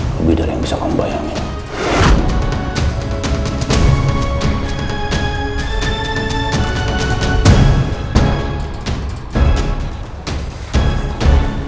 lebih dari yang bisa kamu bayangin